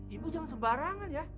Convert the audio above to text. ibu jangan sebarangan ya